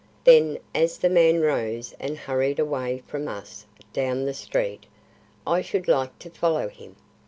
Then as the man rose and hurried away from us down the street, "I should like to follow him.